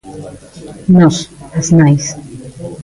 Nós, as nais.